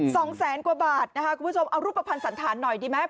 สองแสนกว่าบาทนะคะคุณผู้ชมเอารูปภัณฑ์สันธารหน่อยดีไหม